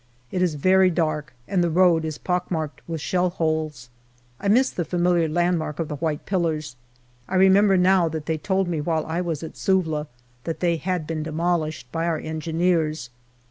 It is very dark, and the road is pockmarked with shell holes. I miss the familiar landmark of the white pillars. I remember now that they told me while I was at Suvla that they had been demolished by our Engineers.